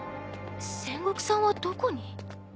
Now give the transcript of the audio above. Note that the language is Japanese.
千石さんはどこに？